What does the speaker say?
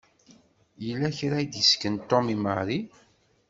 Yella kra i s-d-isken Tom i Mary.